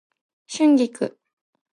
春菊